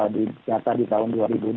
di kata di tahun dua ribu empat belas